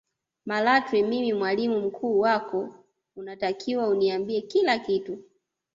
Malatwe mimi mwalimu mkuu wako unatakiwa uniambie kila kitu